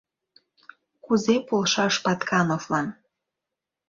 Кузе полшаш Паткановлан?